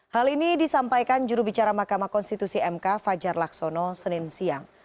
hal ini disampaikan jurubicara mahkamah konstitusi mk fajar laksono senin siang